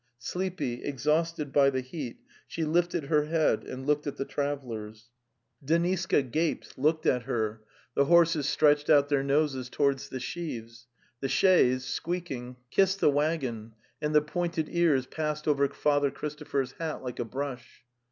Sleepy, exhausted by the heat, she lifted her head and looked at the travellers. 168 The Tales of Chekhov Deniska gaped, looking at her; the horses stretched out their noses towards the sheaves; the chaise, squeaking, kissed the waggon, and the pointed ears passed over Father Christopher's hat like a brush.